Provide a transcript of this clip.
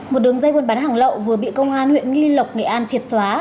một đường dây buôn bán hàng lậu vừa bị công an huyện nghi lộc nghệ an triệt xóa